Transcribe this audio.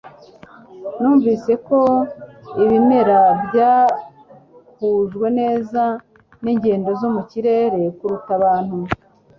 Numvise ko ibimera byahujwe neza ningendo zo mu kirere kuruta abantu